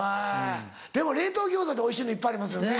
でも冷凍餃子でおいしいのいっぱいありますよね。